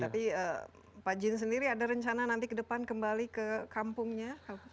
tapi pak jin sendiri ada rencana nanti ke depan kembali ke kampungnya